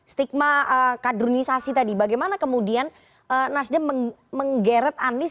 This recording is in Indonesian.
stigma kadrunisasi tadi bagaimana kemudian nasdem menggeret anies